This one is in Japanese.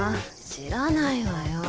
知らないわよ